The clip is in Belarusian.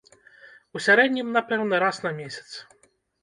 У сярэднім, напэўна, раз на месяц.